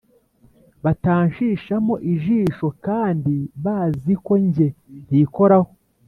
batanshishamo ijisho kandi baziko njye ntikoraho